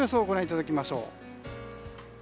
ご覧いただきましょう。